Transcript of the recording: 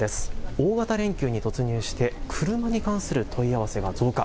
大型連休に突入して車に関する問い合わせが増加。